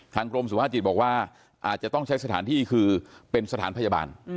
กรมสุภาจิตบอกว่าอาจจะต้องใช้สถานที่คือเป็นสถานพยาบาล